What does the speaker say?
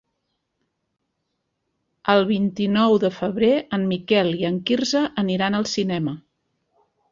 El vint-i-nou de febrer en Miquel i en Quirze aniran al cinema.